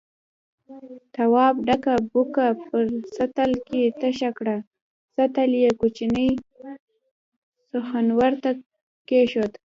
تواب ډکه بوکه په سطل کې تشه کړه، سطل يې کوچني سخوندر ته کېښود.